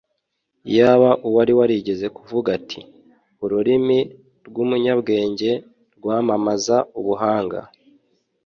iyaba uwari warigeze kuvuga ati: “ururimi rw’umunyabwenge rwamamaza ubuhanga,”